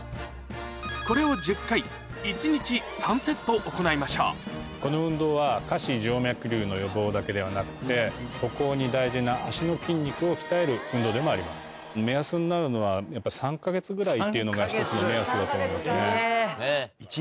これを行いましょうこの運動は下肢静脈瘤の予防だけではなくて歩行に大事な足の筋肉を鍛える運動でもあります。ぐらいっていうのが１つの目安だと思いますね。